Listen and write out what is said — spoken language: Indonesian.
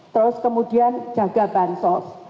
terus kemudian jaga bansos